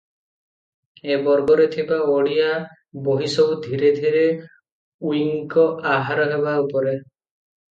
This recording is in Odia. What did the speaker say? ଏ ବର୍ଗରେ ଥିବା ଓଡ଼ିଆ ବହିସବୁ ଧୀରେ ଧୀରେ ଉଇଙ୍କ ଆହାର ହେବା ଉପରେ ।